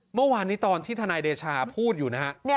เมื่อวานนี้ตอนที่ทนายเดชาพูดอยู่นะฮะ